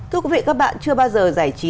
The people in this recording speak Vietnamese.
thưa quý vị các bạn chưa bao giờ giải trí